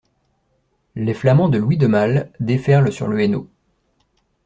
Les Flamands de Louis de Male déferlent sur le Hainaut.